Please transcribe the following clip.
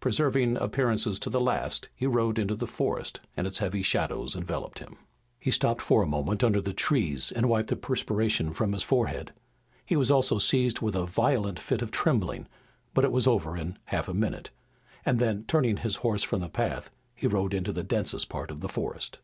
Preserving appearances to the last, he rode into the forest, and its heavy shadows enveloped him. He stopped a moment under the trees and wiped the perspiration from his forehead. He was also seized with a violent fit of trembling, but it was over in a half minute, and then turning his horse from the path he rode into the densest part of the forest.